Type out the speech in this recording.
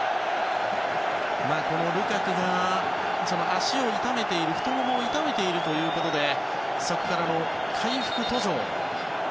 このルカクが足を痛めている太ももを痛めているということでそこからの回復途上。